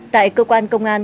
tại cơ quan công an